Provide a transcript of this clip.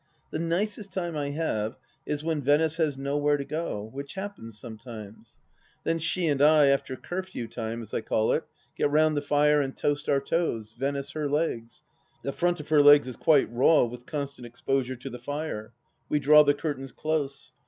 The nicest time I have is when Venice has nowhere to go, which happens sometimes. Then she and I, after curfew time, as I call it, get round the fire and toast our toes — Venice her legs. The front of her legs is quite raw with constant exposure to the fire. We draw the curtains close.